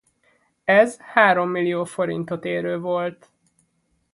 Ez három millió forintot érő volt.